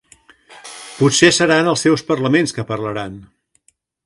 Potser seran els seus parlaments que parlaran.